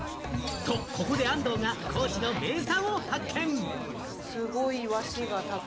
ここで安藤が高知の名産を発見！